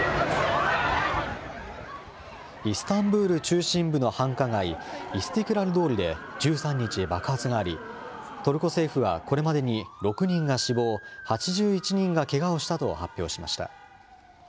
イスタンブール中心部の繁華街、イスティクラル通りで１３日、爆発があり、トルコ政府はこれまでに６人が死亡、８１人がけがをしたと発表しました。